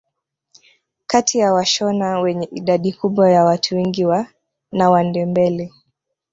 Kati ya washona wenye idadi kubwa ya watu wengi na Wandebele